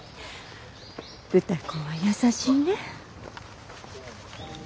歌子は優しいね。